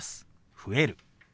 「増える」。